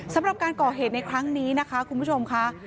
สำหรับการก่อเหตุในครั้งนี้นะคะคุณผู้ชมค่ะ